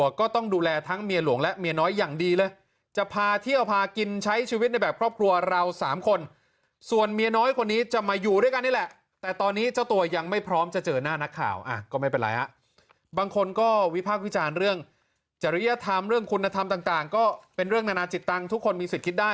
ก็ต้องดูแลทั้งเมียหลวงและเมียน้อยอย่างดีเลยจะพาเที่ยวพากินใช้ชีวิตในแบบครอบครัวเราสามคนส่วนเมียน้อยคนนี้จะมาอยู่ด้วยกันนี่แหละแต่ตอนนี้เจ้าตัวยังไม่พร้อมจะเจอหน้านักข่าวก็ไม่เป็นไรฮะบางคนก็วิพากษ์วิจารณ์เรื่องจริยธรรมเรื่องคุณธรรมต่างก็เป็นเรื่องนานาจิตตังค์ทุกคนมีสิทธิ์คิดได้